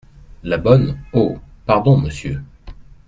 La Bonne. — Oh ! pardon, Monsieur !